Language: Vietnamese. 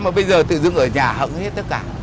mà bây giờ tự dưng ở nhà hận hết tất cả